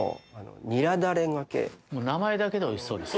名前だけでおいしそうですよ。